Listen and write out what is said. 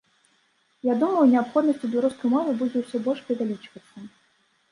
Я думаю, неабходнасць у беларускай мове будзе ўсё больш павялічвацца.